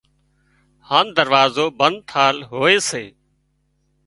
هانَ دروازو بند ٿل هوئي سي